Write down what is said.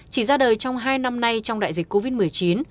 chỉ ra đời trong hai năm nay trong đại dịch covid một mươi chín